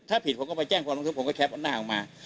ถ้าผิดผมก็ไปแจ้งความลงทุกข์ผมก็แคปเอาหน้าออกมา